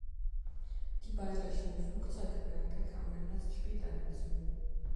Die Bayerischen Flugzeugwerke kamen erst später hinzu.